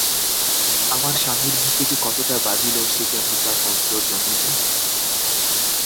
আমার স্বামীর বুকে যে কতটা বাজিল সে কেবল তাঁর অন্তর্যামীই জানেন।